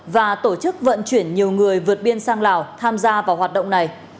và tổ chức vận chuyển nhiều người vượt biên sang lào tham gia vào hoạt động này